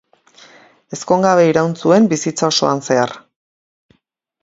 Ezkongabe iraun zuen bizitza osoan zehar.